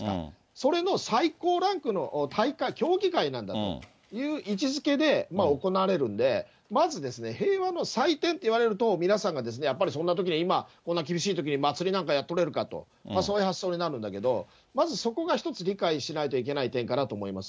それの最高ランクの大会、競技会なんだという位置づけで行われるんで、まず平和の祭典といわれると、皆さんがやっぱりそんなときに、今、こんな厳しいときに祭りなんかやっとれるかと、そういう発想になるんだけど、まずそこが一つ、理解しないといけない点かなと思います。